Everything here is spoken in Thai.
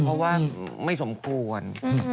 เพราะว่าไม่สมควร